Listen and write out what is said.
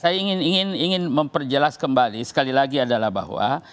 saya ingin memperjelas kembali sekali lagi adalah bahwa